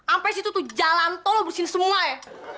ampe situ tuh jalan tol lo bersini semua ya